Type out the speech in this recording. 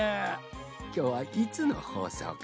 きょうはいつのほうそうかのう？